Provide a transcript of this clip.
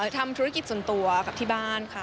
ทำธุรกิจส่วนตัวกับที่บ้านค่ะ